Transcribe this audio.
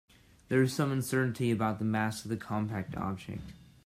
There is some uncertainty about the mass of the compact object.